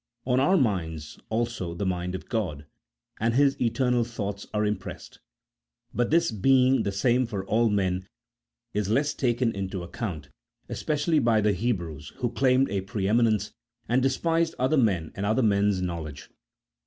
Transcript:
On our minds also the mind of God and His eternal thoughts are im pressed ; but this being the same for all men is less taken into account, especially by the Hebrews, who claimed a pre eminence, and despised other men and other men's knowledge.